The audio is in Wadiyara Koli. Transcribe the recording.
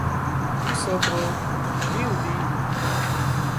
اِ سوڪرو هزي هوڌي